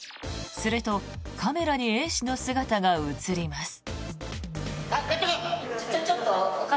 すると、カメラにＡ氏の姿が映ります。